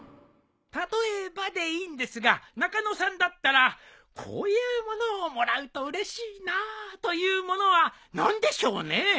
例えばでいいんですが中野さんだったらこういうものをもらうとうれしいなというものは何でしょうね？